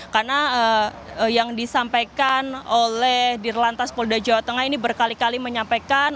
karena yang disampaikan oleh dir lantas polda jawa tengah ini berkali kali menyampaikan